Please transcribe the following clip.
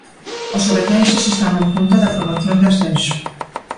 Os ovetenses están a un punto da promoción de ascenso.